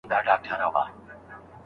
ډېر چاڼ د لوړ ږغ سره دلته نه راوړل کیږي.